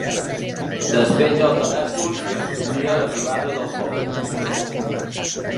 Despenja el telèfon i anuncia l'arribada del Tom.